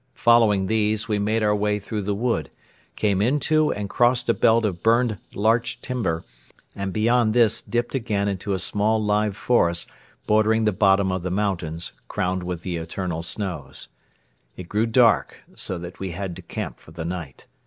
Following these, we made our way through the wood, came into and crossed a belt of burned larch timber and beyond this dipped again into a small live forest bordering the bottom of the mountains crowned with the eternal snows. It grew dark so that we had to camp for the night.